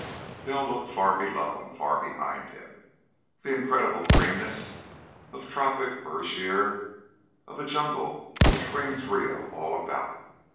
Bell looked far below and far behind him. The incredible greenness of tropic verdure, of the jungle which rings Rio all about.